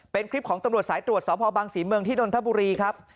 เป็นคลิปของตำรวจสายตรวจสพบังศรีเมืองที่นนทบุรีครับ